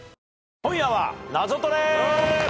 『今夜はナゾトレ』